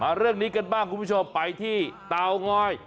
เรื่องนี้กันบ้างคุณผู้ชมไปที่เตาง้อย